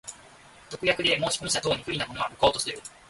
特約で申込者等に不利なものは、無効とする。